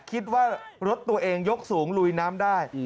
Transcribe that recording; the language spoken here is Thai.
คิดว่ารถตัวเองยกสูงลุยน้ำได้